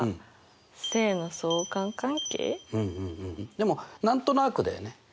でも何となくだよね。